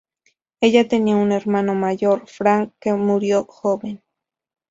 Ella tenía un hermano mayor Frank que murió joven.